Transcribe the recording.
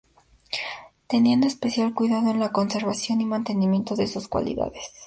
Teniendo especial cuidado en la conservación y mantenimiento de sus cualidades.